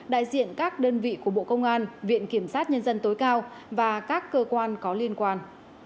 đại diện các đơn vị của bộ công an viện kiểm sát nhân dân tối cao và các cơ quan có liên quan